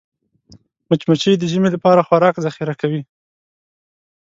مچمچۍ د ژمي لپاره خوراک ذخیره کوي